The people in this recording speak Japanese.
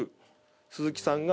鈴木さんが。